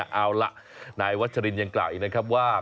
เอาล่ะนายวัชรินยังกล่าวอีกนะครับว่า